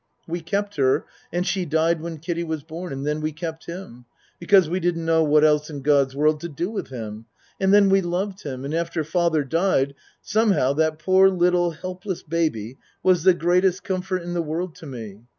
We kept her and she died when Kiddie was born and then we kept him because we didn't know what else in God's world to do with him and then we loved him and after father died some how that poor, little, helpless baby was the greatest comfort in the world to me.